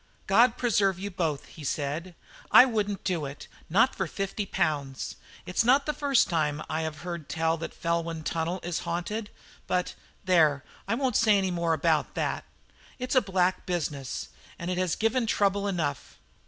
"God preserve you both," he said; "I wouldn't do it not for fifty pounds. It's not the first time I have heard tell that Felwyn Tunnel is haunted. But, there, I won't say any more about that. It's a black business, and has given trouble enough.